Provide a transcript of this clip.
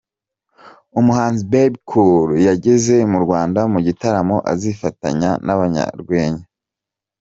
Umuhanzi Bebe Cool yageze mu Rwanda mu gitaramo azifatanya n’abanyarwenya.